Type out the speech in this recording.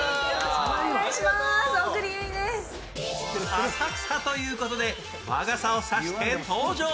浅草ということで和傘を差して登場。